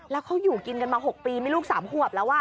แล้วเขาอยู่กินกันมา๖ปีมีลูก๓ขวบแล้ว